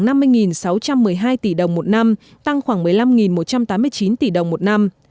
hai tỷ đồng một năm tăng khoảng một mươi năm một trăm tám mươi chín tỷ đồng một năm